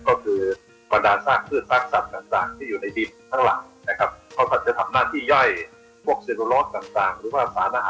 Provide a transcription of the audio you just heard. แล้วเราก็หาคิดกันยังไงนะครับแล้วพอจริงจริงเนี่ยในส่วนของไส้เดือนเอง